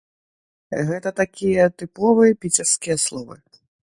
Гэта такія тыповыя піцерскія словы.